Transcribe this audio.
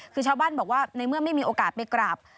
คือชาวบ้านบอกว่าในเมื่อไม่มีโอกาสไปกราบ